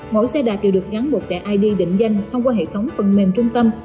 mỗi xe đạp đều được gắn một thẻ id định danh thông qua hệ thống phần mềm trung tâm